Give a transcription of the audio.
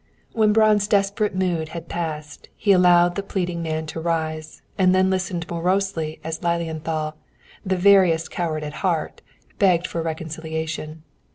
When Braun's desperate mood had passed, he allowed the pleading man to rise, and then listened morosely as Lilienthal, the veriest coward at heart, begged for a reconciliation.